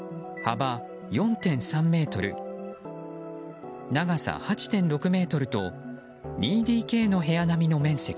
幅４．３ｍ、長さ８．６ｍと２ＤＫの部屋並みの面積。